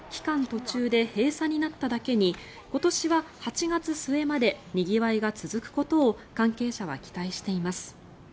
途中で閉鎖になっただけに今年は８月末までにぎわいが続くことを関係者は期待しています。